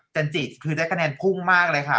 จันจิคือได้คะแนนพุ่งมากเลยค่ะ